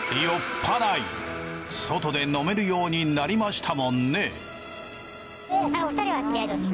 外で飲めるようになりましたもんね。